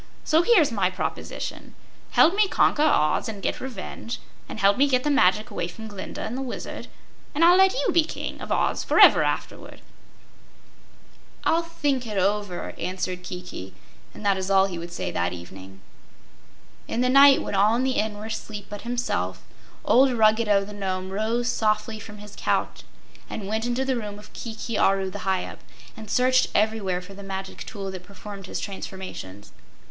So here's my proposition: Help me conquer Oz and get revenge, and help me get the magic away from Glinda and the Wizard, and I'll let you be King of Oz forever afterward." "I'll think it over," answered Kiki, and that is all he would say that evening. In the night when all in the Inn were asleep but himself, old Ruggedo the Nome rose softly from his couch and went into the room of Kiki Aru the Hyup, and searched everywhere for the magic tool that performed his transformations.